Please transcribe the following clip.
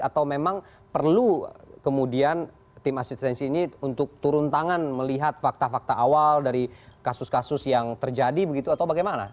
atau memang perlu kemudian tim asistensi ini untuk turun tangan melihat fakta fakta awal dari kasus kasus yang terjadi begitu atau bagaimana